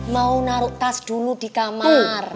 mau naruh tas dulu di kamar